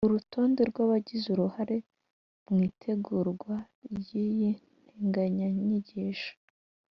urutonde rw’abagize uruhare mu itegurwa ry’iyi nteganyanyigisho